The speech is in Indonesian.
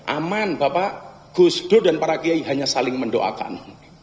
aman bapak gus dur dan para kiai hanya saling mendoakan